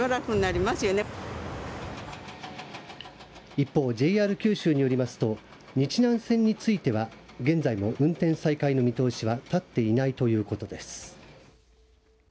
一方、ＪＲ九州によりますと日南線については現在も運転再開の見通しは立っていないということです。